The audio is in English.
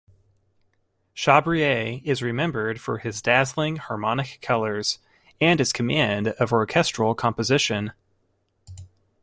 Chabrier is remembered for his dazzling harmonic colors and his command of orchestral composition.